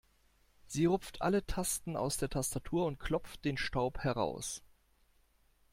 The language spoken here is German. Sie rupft alle Tasten aus der Tastatur und klopft den Staub heraus.